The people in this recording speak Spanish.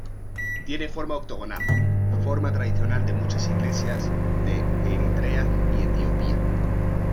Tiene forma octagonal, forma tradicional de muchas iglesias de Eritrea y de Etiopía.